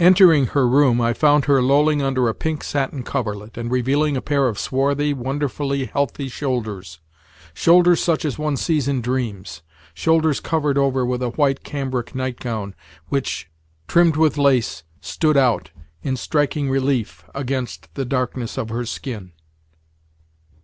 Entering her room, I found her lolling under a pink satin coverlet, and revealing a pair of swarthy, wonderfully healthy shoulders—shoulders such as one sees in dreams—shoulders covered over with a white cambric nightgown which, trimmed with lace, stood out, in striking relief, against the darkness of her skin.